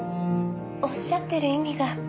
おっしゃってる意味が。